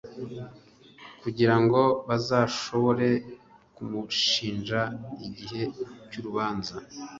kugira ngo bazashobore kumushinja igihe cy'urubanza.